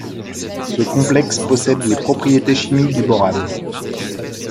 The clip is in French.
Ce complexe possède les propriétés chimiques du borane.